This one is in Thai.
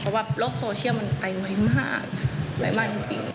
เพราะว่าโลกโซเชียลมันไปไวมากไวมากจริง